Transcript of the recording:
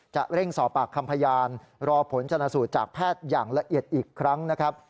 จะเร่งสอบปากคำพยานรอผลชนะสูตรจากแพทย์อย่างละเอียดอีกครั้งนะครับ